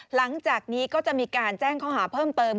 หลังจากนี้ก็จะมีการแจ้งข้อหาเพิ่มเติม